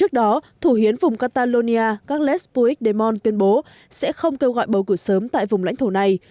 trước đó thủ hiến vùng catalonia carlespuic demon tuyên bố sẽ không kêu gọi bầu cử sớm tại vùng lãnh thổ này